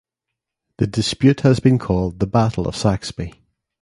The dispute has been called the "Battle of Saxby".